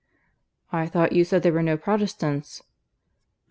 "I thought you said there were no Protestants."